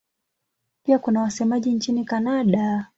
Pia kuna wasemaji nchini Kanada.